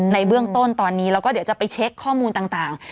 ในเบื้องต้นตอนนี้แล้วก็เดี๋ยวจะไปเช็คข้อมูลต่าง